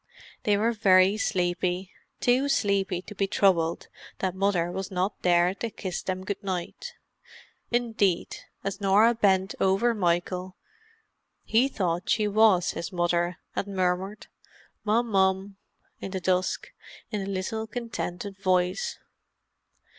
They were very sleepy—too sleepy to be troubled that Mother was not there to kiss them good night; indeed, as Norah bent over Michael, he thought she was his mother, and murmured, "Mum mum," in the dusk in a little contented voice.